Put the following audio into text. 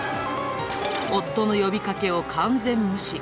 夫の呼びかけを完全無視。